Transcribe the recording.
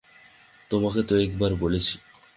তোমাকে তো একবার বলেছি।